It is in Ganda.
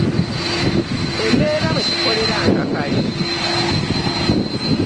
Embeera mwe tukolera nkakali.